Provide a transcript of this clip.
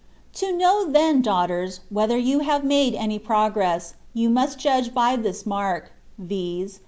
To know then, daughters, whether you have made any progress, you must judge by this mark, viz.